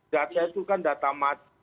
data itu kan data